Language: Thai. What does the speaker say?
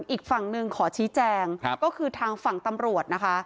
อีกฝั่งหนึ่งขอชี้แจงก็คือทางฝั่งตำรวจนะคะ